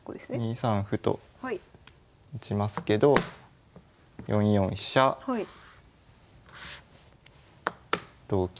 ２三歩と打ちますけど４四飛車同金。